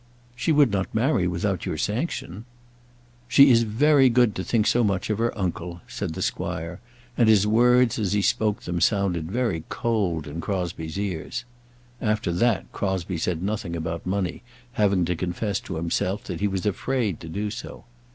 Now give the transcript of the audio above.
"She would not marry without your sanction." "She is very good to think so much of her uncle," said the squire; and his words as he spoke them sounded very cold in Crosbie's ears. After that Crosbie said nothing about money, having to confess to himself that he was afraid to do so.